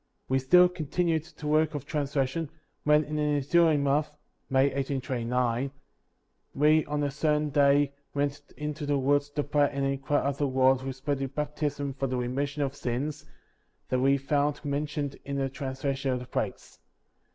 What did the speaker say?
68. We still continued the work of translation, when, in the ensuing month (May, 1829), we on a certain day went into the woods to pray and inquire of the Lord respecting baptism for the remission of sins, that we found mentioned in the translation of the plates.